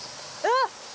あっ！